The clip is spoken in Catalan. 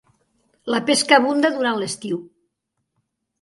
La pesca abunda durant l'estiu.